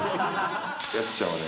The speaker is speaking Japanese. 「やっちゃんはね